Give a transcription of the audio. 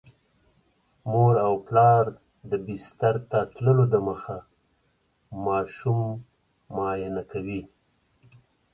مور او پلار د بستر ته تللو دمخه ماشوم معاینه کوي.